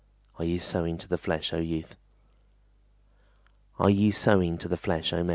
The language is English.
Are you sowing to the flesh, O youth? Are you sowing to the flesh, O maid?